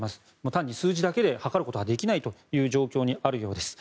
単に数字だけで測ることはできないという状況にあるようです。